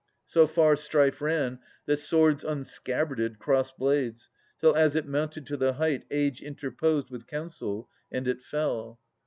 — So far strife ran, that swords unScabbarded Crossed blades, till as it mounted to the height Age interposed with counsel and it fell.